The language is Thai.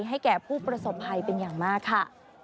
ให้แก่ผู้ประสบภัยเป็นอย่างมากค่ะ